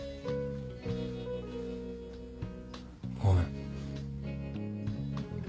ごめん。